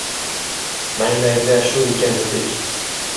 Manglayda shu ekan bitik